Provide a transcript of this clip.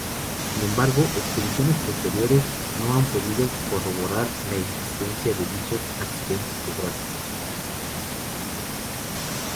Sin embargo, expediciones posteriores no han podido corroborar la existencia de dichos accidentes geográficos.